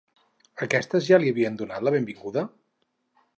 Aquestes ja li havien donat la benvinguda?